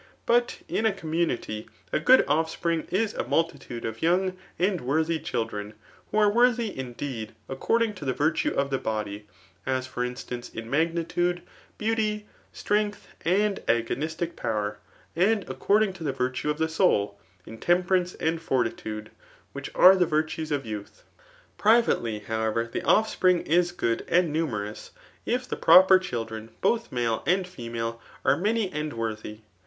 But in a community, a good offspring is a multitude of young and worthy children ; who a^e woirthy, indeed, according to the virtue of the body, as ibr itistance, in magiikude, beauty, strengdv afid agonisdc power ) and according to the virtue of tlie soul, in temperance and fonitude, which are the virtues c^ youth. Pt^ivately, however, the offspring is good and niitfterous, if die proper clilkiren, both maU and female aire nfiny and worthy.